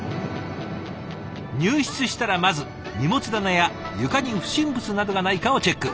入室したらまず荷物棚や床に不審物などがないかをチェック。